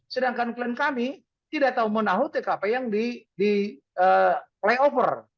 sedangkan klien kami tidak tahu menahu tkp yang di flyover